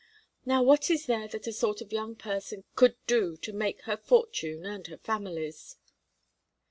Now, what is there that sort of a young person could do to make her fortune and her family's?"